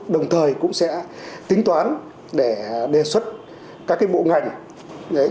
đồng thời cũng sẽ tính toán để đề xuất các bộ ngành